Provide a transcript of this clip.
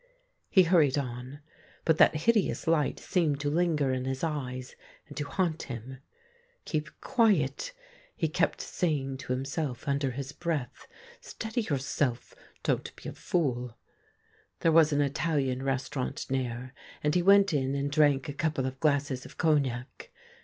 He hurried on, but that hideous light seemed to linger in his eyes and to haunt him. ' Keep quiet !' he kept saying to THE GREEN LIGHT himself under his breath. ' Steady yourself ; don't be a fool !' There was an Italian restaurant near^ and he went in and drank a couple of glasses of cognac.